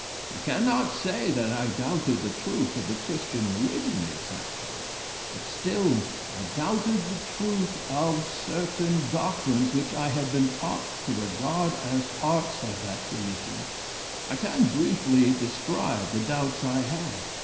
I cannot say that I doubted the truth of the Christian religion exactly, but still I doubted the truth of certain doctrines which I had been taught to regard as parts of that religion. I can briefly describe the doubts I had.